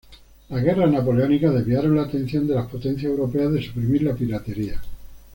Las Guerras napoleónicas desviaron la atención de las potencias europeas de suprimir la piratería.